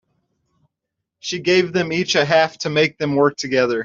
She gave them each a half to make them work together.